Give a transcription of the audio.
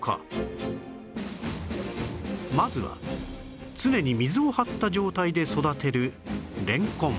まずは常に水を張った状態で育てるれんこん